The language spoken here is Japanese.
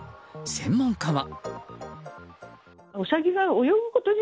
専門家は。